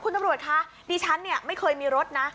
คุณตำรวจคะดิฉันเนี่ยไม่เคยมีรถนะ